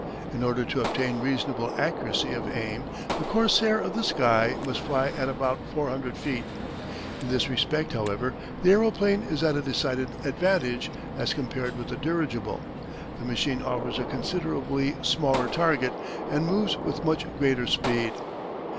In order to obtain reasonable accuracy of aim the corsair of the sky must fly at about 400 feet. In this respect, however, the aeroplane is at a decided advantage, as compared with the dirigible. The machine offers a considerably smaller target and moves with much greater speed.